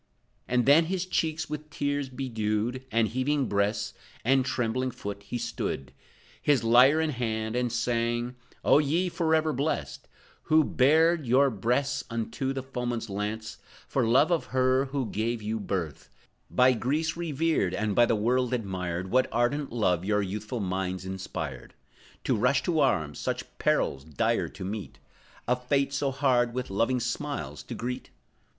And then, his cheeks with tears bedewed, And heaving breast, and trembling foot, he stood, His lyre in hand and sang: "O ye, forever blessed, Who bared your breasts unto the foeman's lance, For love of her, who gave you birth; By Greece revered, and by the world admired, What ardent love your youthful minds inspired, To rush to arms, such perils dire to meet, A fate so hard, with loving smiles to greet?